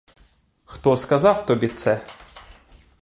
Хто сказав тобі це?